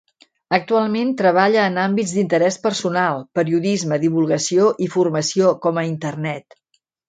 Actualment, treballa en àmbits d'interès personal, periodisme, divulgació i formació com a internet.